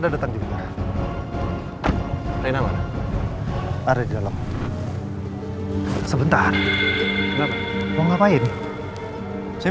oh saya cepet ya mas ya